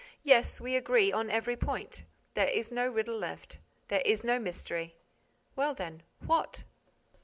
Yes, we agree on every point. There is no riddle left. There is no mystery. Well, then, what?